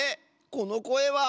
このこえは。